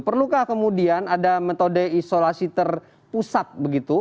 perlukah kemudian ada metode isolasi terpusat begitu